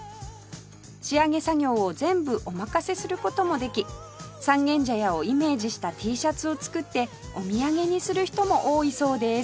仕上げ作業を全部お任せする事もでき三軒茶屋をイメージした Ｔ シャツを作ってお土産にする人も多いそうです